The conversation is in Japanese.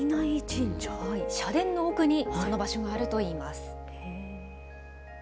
社殿の奥にその場所があるといいます。